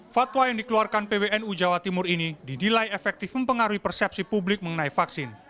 fatwa yang dikeluarkan pwnu jawa timur ini didilai efektif mempengaruhi persepsi publik mengenai vaksin